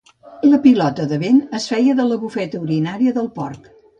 La pilota de vent es feia de la bufeta urinaria del porc.